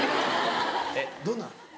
どんなん？